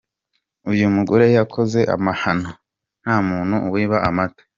uyu mugore yakoze amahano nta muntu wiba amata.